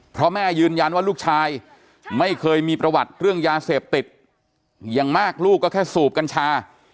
เพราะแม่ยืนยันว่าลูกชายไม่เคยมีประวัติเรื่องยาเสพติดอย่างมากลูกก็แค่สูบกัญชา